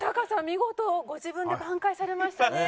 見事ご自分で挽回されましたね。